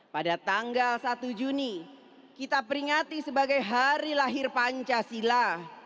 pada tanggal satu juni kita peringati sebagai hari lahir pancasila